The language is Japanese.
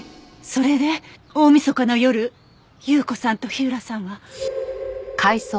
それで大みそかの夜有雨子さんと火浦さんは。